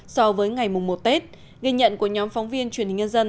so với ngày mùng một tết ghi nhận của nhóm phóng viên truyền hình nhân dân